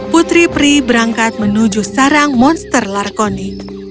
putri pri berangkat menuju sarang monster larkoni